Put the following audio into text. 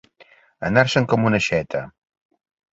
Anar-se'n com una aixeta.